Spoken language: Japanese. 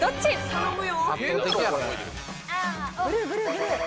頼むよ。